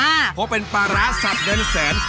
เพราะเป็นปลาร้าสับเงินแสน